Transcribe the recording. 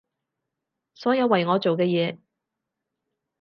所有為我做嘅嘢